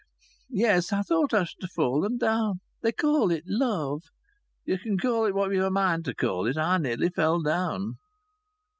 Yes, I thought I should ha' fallen down. They call'n it love. You can call it what ye'n a mind for call it. I nearly fell down."